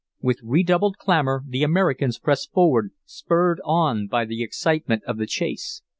With redoubled clamor the Americans pressed forward, spurred on by the excitement of the chase.